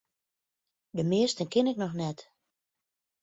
De measten ken ik noch net.